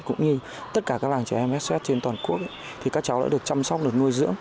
cũng như tất cả các làng trẻ em sh trên toàn quốc thì các cháu đã được chăm sóc được nuôi dưỡng